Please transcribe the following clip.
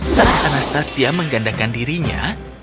saat anastasia menggandakan dirinya